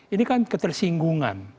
ini kan ketersinggungan